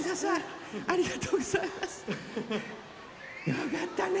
よかったね。